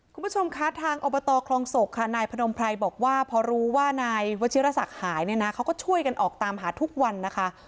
คุณผู้ชมคะทางอบตคลองศกค่ะนายพนมไพรบอกว่าพอรู้ว่านายวชิรศักดิ์หายเนี่ยนะเขาก็ช่วยกันออกตามหาทุกวันนะคะ